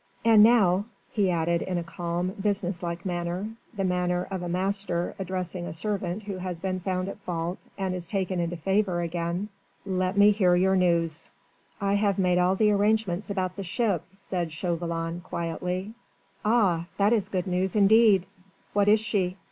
And now," he added in a calm, business like manner, the manner of a master addressing a servant who has been found at fault and is taken into favour again, "let me hear your news." "I have made all the arrangements about the ship," said Chauvelin quietly. "Ah! that is good news indeed. What is she?"